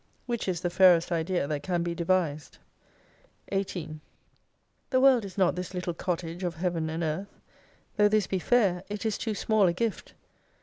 Which is the fairest idea that can be devised. 18 The WORLD is not this little Cottage of Heaven and Earth. Though this be fair, it is too small a Gift.